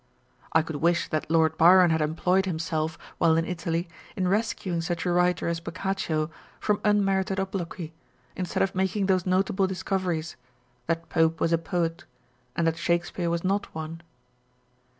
I could wish that Lord Byron had employed himself while in Italy in rescuing such a writer as Boccaccio from un merited obloquy, instead of making those notable dis coveriesâ€" that Pope was a poet,1 and that Shakespeare was not one